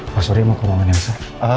pak surya mau ke ruang elsa